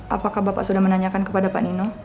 apakah bapak sudah menanyakan kepada pak nino